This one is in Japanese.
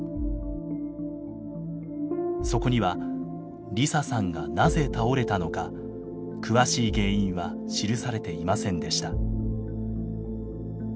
そこには梨沙さんがなぜ倒れたのか詳しい原因は記されていませんでした。